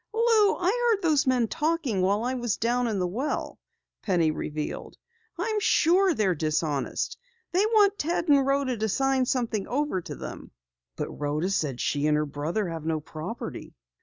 "Lou, I heard those men talking while I was down in the well," Penny revealed. "I'm sure they're dishonest. They want Ted and Rhoda to sign something over to them." "But Rhoda said she and her brother have no property."